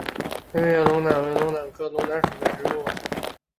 六叶龙胆为龙胆科龙胆属的植物。